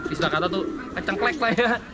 istilah kata tuh kecengklek lah ya